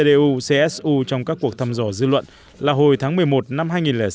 lần gần nhất spd xếp trên cdu csu trong các cuộc thăm dò dư luận là hồi tháng một mươi một năm hai nghìn sáu